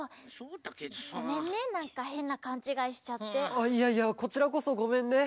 あっいやいやこちらこそごめんね。